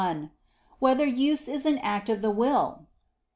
1] Whether Use Is an Act of the Will?